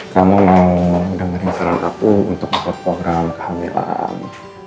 kamu mau dengerin saran aku untuk dapat program kehamilan